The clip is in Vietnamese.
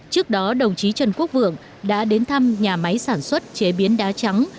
trước đó đồng chí trần quốc vượng đã đến thăm nhà máy sản xuất chế biến đá trắng